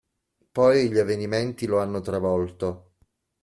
Poi gli avvenimenti lo hanno travolto.